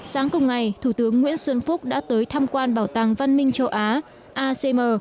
sáng cùng ngày thủ tướng nguyễn xuân phúc đã tới tham quan bảo tàng văn minh châu á acm